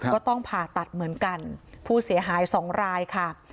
ก็ต้องผ่าตัดเหมือนกันผู้เสียหายสองรายค่ะ